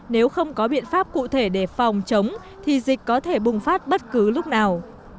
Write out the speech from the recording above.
nếu không có biện pháp cụ thể để phòng chống thì dịch có thể bùng phát bất cứ lúc nào